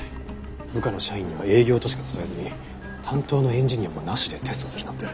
部下の社員には営業としか伝えずに担当のエンジニアもなしでテストするなんて。